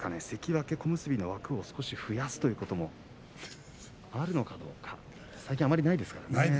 関脇、小結の枠を少し増やすということもあるのかどうか最近あまりないですからね。